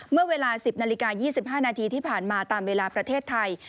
เมื่อเวลา๑๐นาฬิกา๒๕นาทีที่ผ่านมาตามเวลาประเทศไทย